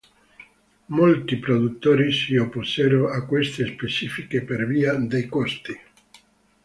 Molti produttori si opposero a queste specifiche per via dei costi.